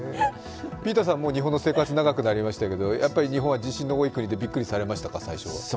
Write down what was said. ピーターさんはもう日本の生活長くなりましたけどやっぱり日本は地震の多い国で最初はびっくりされましたか。